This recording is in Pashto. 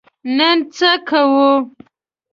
نن څه کوو؟